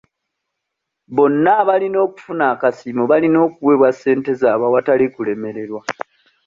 Bonna abalina okufuna akasiimo balina okuweebwa ssente zaabwe awatali kulemererwa